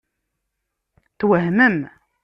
Twehmem.